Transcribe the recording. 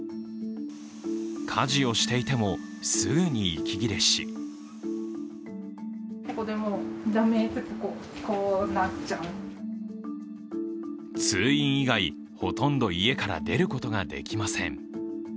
家事をしていても、すぐに息切れし通院以外、ほとんど家から出ることができません。